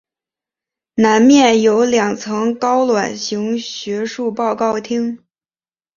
南面有两层高卵形学术报告厅。